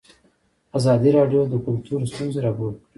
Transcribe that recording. ازادي راډیو د کلتور ستونزې راپور کړي.